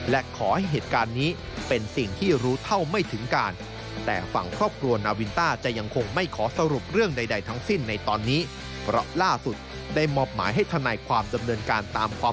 และขอให้เหตุการณ์นี้เป็นสิ่งที่รู้เท่าไม่ถึงการ